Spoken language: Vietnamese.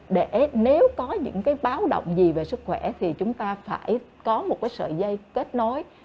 để nếu có những cái báo động gì về sức khỏe thì chúng ta phải có một cái sợi dây kết nối